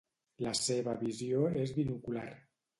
La seva visió és binocular.